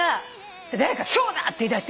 誰か「ひょうだ！」って言いだして。